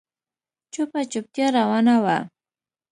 چوپه چوپتيا روانه وه.